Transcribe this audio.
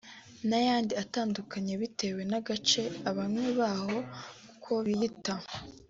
n’ayandi atandukanye bitewe n’agace abanywi baho uko biyita